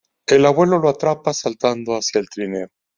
El Abuelo lo atrapa, saltando hacia el trineo.